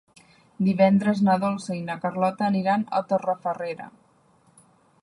Divendres na Dolça i na Carlota aniran a Torrefarrera.